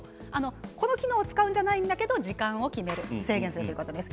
この機能を使うんじゃないけど時間を決める制限するということです。